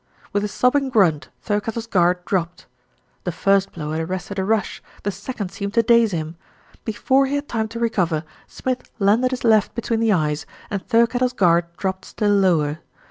With a sobbing grunt, Thirkettle's guard dropped. The first blow had arrested a rush; the second seemed to daze him. Before he had time to recover, Smith landed his left between the eyes, and Thirkettle's guard dropped still lower.